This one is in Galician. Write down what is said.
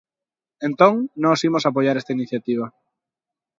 Entón, nós imos apoiar esta iniciativa.